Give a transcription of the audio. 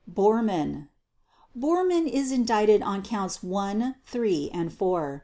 BORMANN Bormann is indicted on Counts One, Three, and Four.